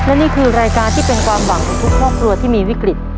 และนี่คือรายการที่เป็นความหวังของทุกครอบครัวที่มีวิกฤต